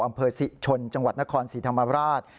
อำเภอศรีชนจังหวัดนครศรีธรรมราช